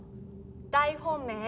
大本命